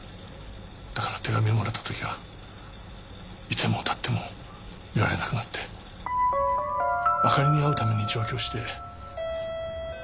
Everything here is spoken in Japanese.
だから手紙をもらった時はいても立ってもいられなくなってあかりに会うために上京してアパートを訪ねました。